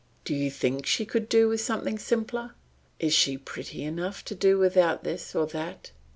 Do you think she could do with something simpler? Is she pretty enough to do without this or that?"